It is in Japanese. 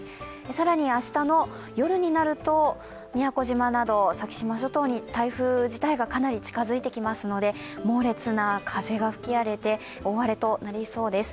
更に明日の夜になると宮古島など先島諸島に台風自体がかなり近づいてきますので、猛烈な風が吹き荒れて大荒れとなりそうです。